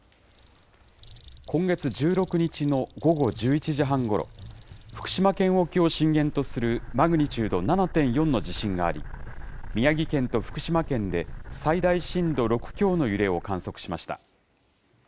今月１６日の午後１１時半ごろ、福島県沖を震源とするマグニチュード７．４の地震があり、宮城県と福島県で最大震度６強の揺れを観測しました。